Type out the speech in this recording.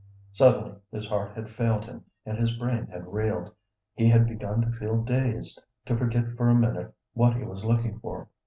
Suddenly his heart had failed him and his brain had reeled. He had begun to feel dazed, to forget for a minute what he was looking for.